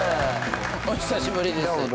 お久しぶりです。